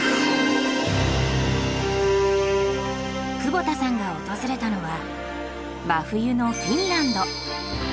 窪田さんが訪れたのは真冬のフィンランド。